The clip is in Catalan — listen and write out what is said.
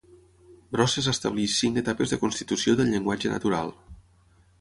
Brosses estableix cinc etapes de constitució del llenguatge natural.